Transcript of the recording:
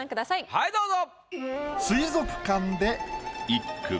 はいどうぞ。